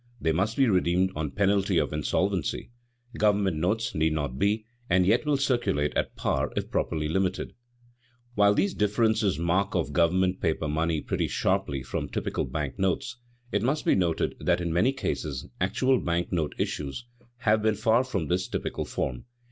They must be redeemed on penalty of insolvency; government notes need not be, and yet will circulate at par if properly limited. While these differences mark off government paper money pretty sharply from typical bank notes, it must be noted that in many cases actual bank note issues have been far from this typical form.